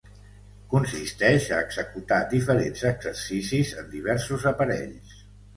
Consisteix a executar diferents exercicis en diversos aparells.